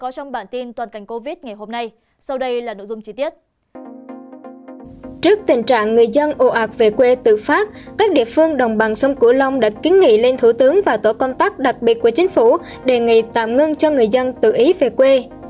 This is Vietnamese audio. trước tình trạng người dân ồ ạc về quê tự phát các địa phương đồng bằng sông cửu long đã kiến nghị lên thủ tướng và tổ công tác đặc biệt của chính phủ đề nghị tạm ngưng cho người dân tự ý về quê